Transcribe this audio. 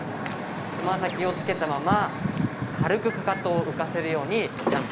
つま先をつけたまま軽くかかとを浮かせるようにジャンプします。